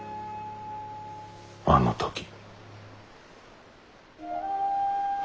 あの時。